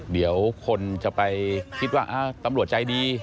เดี๋ยวคนจะไปคิดว่าตำรวจใจดี